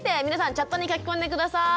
チャットに書き込んで下さい。